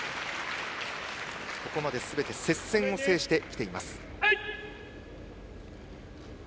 ここまですべて接戦を制してきています。